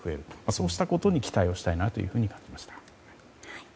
そうしたことに期待をしたいなと感じました。